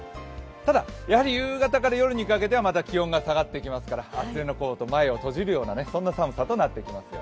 ただ、やはり夕方から夜にかけては気温が下がってきますから厚手のコート、前を閉じるような寒さとなっていきますよ。